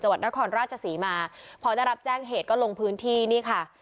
วัดนครราชศรีมาพอได้รับแจ้งเหตุก็ลงพื้นที่นี่ค่ะ